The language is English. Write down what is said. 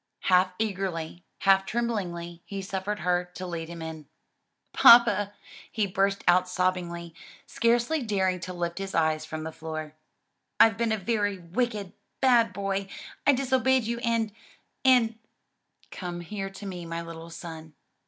Half eagerly, half tremblingly he suffered her to lead him in. "Papa," he burst out sobbingly, scarcely daring to lift his eyes from the floor, "I've been a very wicked, bad boy; I disobeyed you and and " "Come here to me, my little son."